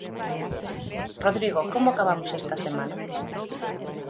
Rodrigo, como acabamos esta semana?